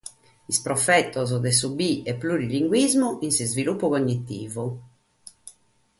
Is profetos de su bi- e plurilinguismu in s’isvilupu cognitivu